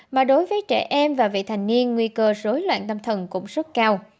mà đối với trẻ em và vị thành niên nguy cơ rối loạn tâm thần cũng rất cao